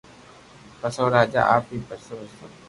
پسي او راجا آپ ھي ڀجتو ڀجتو